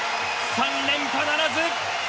３連覇ならず！